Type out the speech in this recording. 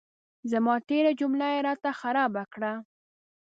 زما تېره جمله یې را ته خرابه کړه.